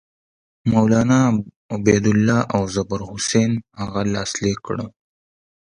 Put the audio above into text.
مولنا عبیدالله او ظفرحسن هغه لاسلیک کړه.